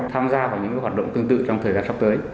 tham gia vào những hoạt động tương tự trong thời gian sắp tới